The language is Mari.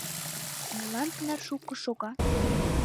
Молан тынар шуко шога?